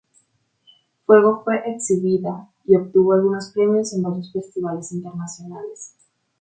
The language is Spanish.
Fuego fue exhibida y obtuvo algunos premios en varios festivales internacionales.